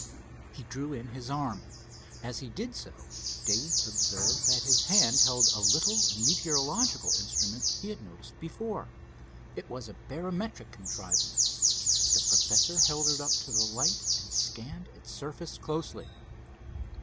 He drew in his arm. As he did so Dave observed that his hand held a little meteorological instrument he had noticed before. It was a barometric contrivance. The professor held it up to the light and scanned its surface closely.